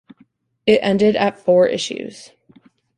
It ended at four issues.